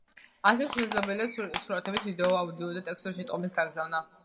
ასევე შესაძლებელია სურათების, ვიდეო, აუდიო და ტექსტური შეტყობინებების გაგზავნა.